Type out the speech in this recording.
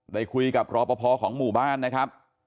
ได้คุยกับรอปภของหมู่บ้านนะครับ